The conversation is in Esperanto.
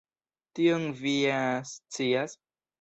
Tion vi ja scias.